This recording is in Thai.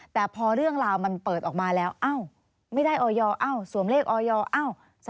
แต่พอเรื่องราวมันเปิดออกมาแล้วไม่ได้ออยเอ้าสวมเลขออย